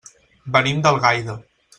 Venim d'Algaida.